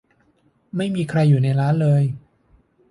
ไม่มีใครอยู่ในร้านเลย